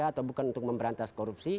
atau bukan untuk memberantas korupsi